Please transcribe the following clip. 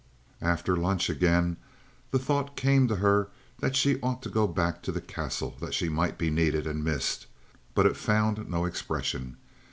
After lunch again the thought came to her that she ought to go back to the Castle, that she might be needed, and missed; but it found no expression.